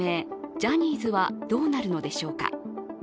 ジャニーズはどうなるのでしょうか。